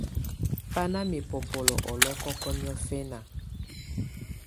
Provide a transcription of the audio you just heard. Bá nà mɛbɔbɔlɔ̀ ɔlɔ̀kɔkɔ̀ niɔ̀̀fɛna.